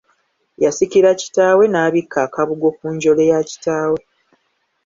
Yasikira kitaawe n'abikka akabugo ku njole ya kitaawe.